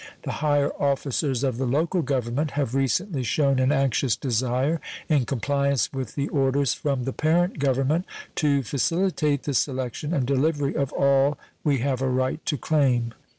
The higher officers of the local government have recently shown an anxious desire, in compliance with the orders from the parent Government, to facilitate the selection and delivery of all we have a right to claim.